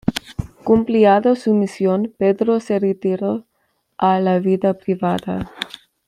Cumplida su misión, Pedro se retiró a la vida privada.